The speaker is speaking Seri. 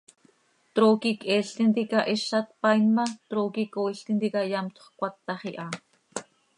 Trooqui cheel tintica hiza tpaain ma, trooqui cooil tintica yamtxö cöcatax iha.